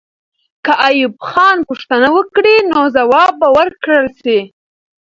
که ایوب خان پوښتنه وکړي، نو ځواب به ورکړل سي.